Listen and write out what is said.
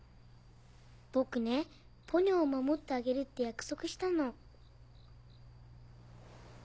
僕ねポニョを守ってあげるって約束したの。